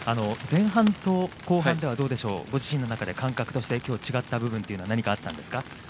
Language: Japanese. ◆前半と後半では、どうでしょう、ご自身の中で感覚としてきょう違った部分は何かあったんですか？